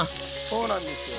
そうなんですよ。